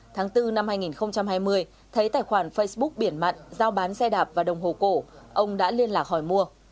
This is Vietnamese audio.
tháng bốn năm hai nghìn hai mươi thấy tài khoản facebook biển mặn giao bán xe đạp và đồng hồ cổ ông đã liên lạc hỏi mua